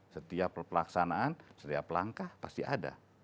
setiap pelaksanaan setiap langkah pasti ada